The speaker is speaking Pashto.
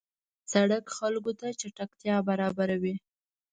سړک خلکو ته چټکتیا برابروي.